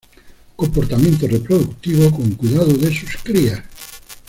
Comportamiento reproductivo con cuidado de sus crías.